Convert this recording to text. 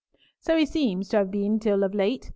"So he seems to have been till of late.